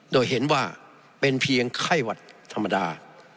โดยเห็นว่าเป็นเพียงไข้หวัดธรรมดา